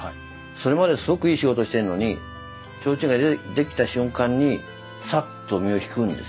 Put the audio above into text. それまですごくいい仕事してるのに提灯が出来た瞬間にさっと身を引くんですよ。